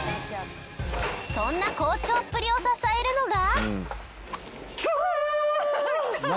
そんな好調っぷりを支えるのが。